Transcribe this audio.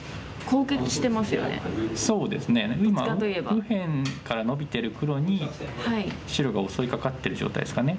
右辺からのびてる黒に白が襲いかかってる状態ですかね。